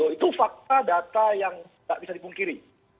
itu fakta data yang tidak bisa dipungkiri